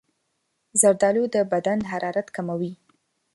زردالو د بدن حرارت کموي.